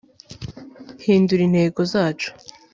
Hindura intego zacu